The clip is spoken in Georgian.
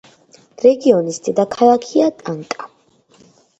რეგიონის დედაქალაქია ტაკნა.